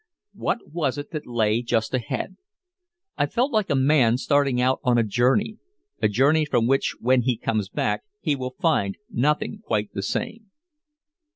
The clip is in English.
What was it that lay just ahead? I felt like a man starting out on a journey a journey from which when he comes back he will find nothing quite the same.